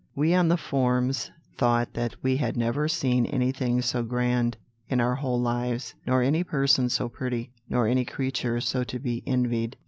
We on the forms thought that we had never seen anything so grand in our whole lives, nor any person so pretty, nor any creature so to be envied.